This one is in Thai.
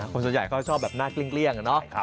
คนส่วนใหญ่เขาชอบแบบหน้าเกลี้ยงเนาะ